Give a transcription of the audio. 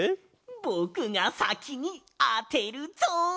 ぼくがさきにあてるぞ！